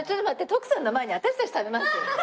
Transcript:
徳さんの前に私たち食べます。